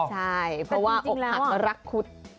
ใช่เพราะว่ารักขุด